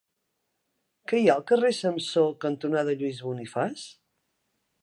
Què hi ha al carrer Samsó cantonada Lluís Bonifaç?